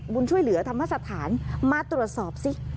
บุญช่วยเหลือธรรมสถานมาตรวจสอบสิ